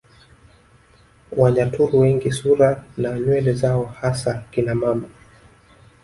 Wanyaturu wengi sura na nywele zao hasa kina mama